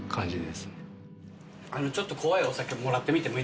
あのちょっと怖いお酒もらってみてもいいですか？